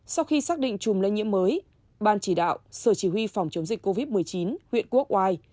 sau khi xác định chùm lây nhiễm mới ban chỉ đạo sở chỉ huy phòng chống dịch covid một mươi chín huyện quốc oai